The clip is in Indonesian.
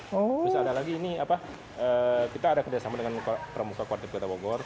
terus ada lagi ini apa kita ada kerjasama dengan pramuka kuartip kota bogor